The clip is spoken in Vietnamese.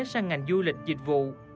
sang ngành du lịch dịch vụ